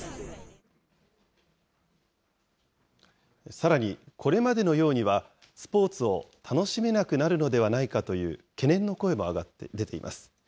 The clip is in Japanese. さらに、これまでのようにはスポーツを楽しめなくなるのではないかという懸念の声も出ています。